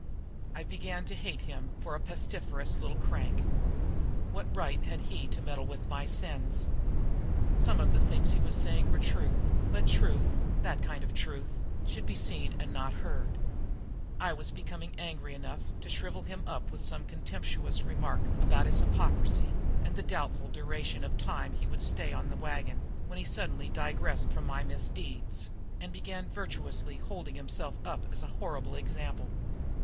I began to hate him for a pestiferous little crank. What right had he to meddle with my sins? Some of the things he was saying were true; and truth that kind of truth should be seen and not heard. I was becoming angry enough to shrivel him up with some contemptuous remark about his hypocrisy and the doubtful duration of time he would stay on the wagon when he suddenly disgressed from my misdeeds and began virtuously holding himself up as a horrible example.